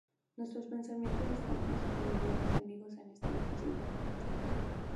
Nuestros pensamientos están con sus familiares y amigos en este difícil momento".